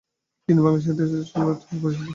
তিনি বাংলা সাহিত্যের সাহিত্য সম্রাট হিসেবে পরিচিত।